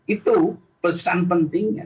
itu pesan pentingnya